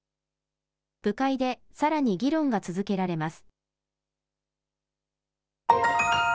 部会でさらに議論が続けられます。